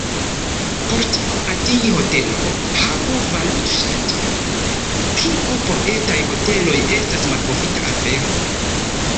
Por tion atingi hotelo havu valutŝanĝejon, kio por etaj hoteloj estas malprofita afero.